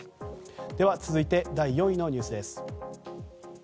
では続いて第４位のニュースです。